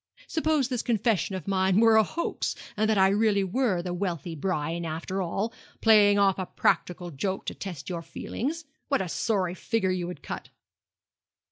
Suppose this confession of mine were a hoax, and that I really were the wealthy Brian after all playing off a practical joke to test your feelings what a sorry figure you would cut!'